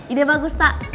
ide bagus tak